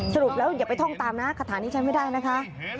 สรุปแล้วอย่าไปท่องตามนะคาถานี้ใช้ไม่ได้นะคะ